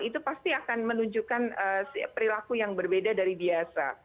itu pasti akan menunjukkan perilaku yang berbeda dari biasa